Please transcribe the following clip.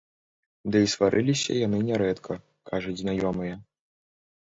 Ды і сварыліся яны нярэдка, кажуць знаёмыя.